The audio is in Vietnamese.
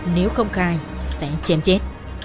nếu không khai sẽ chém chết